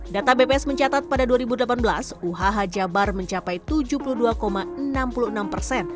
data bps mencatat pada dua ribu delapan belas uhh jabar mencapai tujuh puluh dua enam puluh enam persen